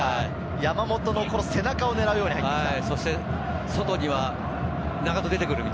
山本の背中を狙うように入って来ました。